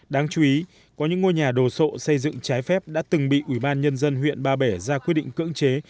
đáng chú ý có những ngôi nhà đồ sộ xây dựng trái phép đã từng bị ủy ban nhân dân huyện ba bể ra quyết định cưỡng chế